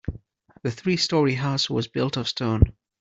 The three story house was built of stone.